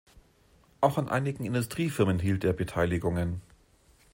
Auch an einigen Industriefirmen hielt er Beteiligungen.